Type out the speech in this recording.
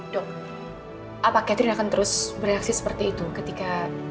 dok apa catherine akan terus bereaksi seperti itu ketika